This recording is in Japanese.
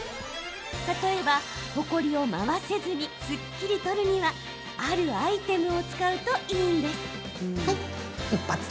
例えば、ほこりを舞わせずにすっきり取るにはあるアイテムを使うといいんです。